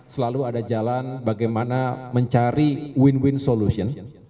selalu ada jalan bagaimana mencari win win solution